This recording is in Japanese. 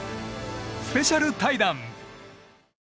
スペシャル対談。